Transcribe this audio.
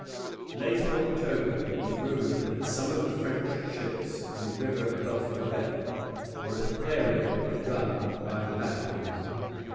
Late in October it was rumored that some of the French ships in the river above Quebec were preparing to run by the batteries.